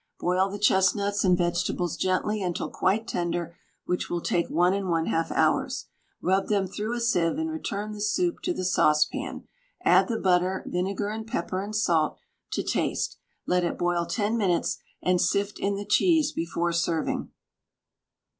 Boil the chestnuts and vegetables gently until quite tender, which will take 1 1/2 hours. Rub them through a sieve and return the soup to the saucepan; add the butter; vinegar, and pepper and salt to taste. Let it boil 10 minutes, and sift in the cheese before serving.